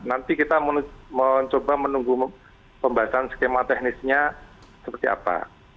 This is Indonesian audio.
nanti kita mencoba menunggu pembahasan skema teknisnya seperti apa